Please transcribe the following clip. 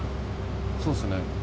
そうですね。